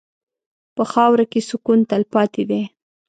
په خاوره کې سکون تلپاتې دی.